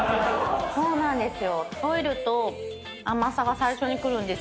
そうなんです。